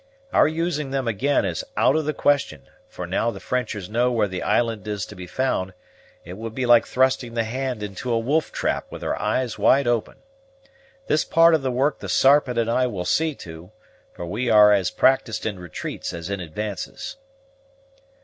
Our using them again is out of the question; for, now the Frenchers know where the island is to be found, it would be like thrusting the hand into a wolf trap with our eyes wide open. This part of the work the Sarpent and I will see to, for we are as practysed in retreats as in advances."